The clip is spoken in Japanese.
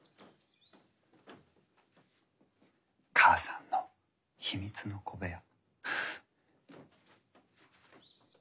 母さんの秘密の小部屋。